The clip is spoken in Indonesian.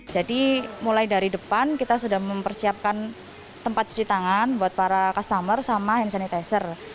jadi mulai dari depan kita sudah mempersiapkan tempat cuci tangan buat para customer sama hand sanitizer